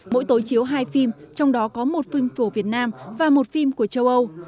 mỗi tối chiếu hai phim trong đó có một phim phổ việt nam và một phim của châu âu